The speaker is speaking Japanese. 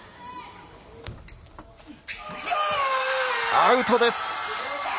アウトです。